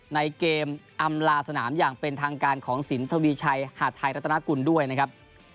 ในเกมอำลาสนามอย่างเป็นทางการของสินทวีชัยหาดไทยรัฐนากุลด้วยนะครับ